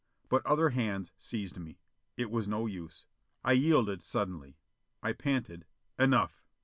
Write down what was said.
But other hands seized me. It was no use. I yielded suddenly. I panted: "Enough!"